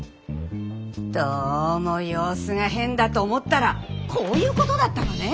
どうも様子が変だと思ったらこういうことだったのね。